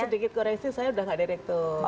cuma sedikit koreksi saya sudah gak direktur